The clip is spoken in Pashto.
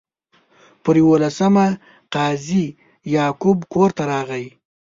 پر یوولسمه قاضي یعقوب کور ته راغی.